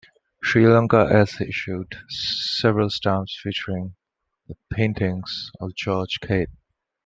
Sri Lanka has issued several stamps featuring the paintings of George Keyt.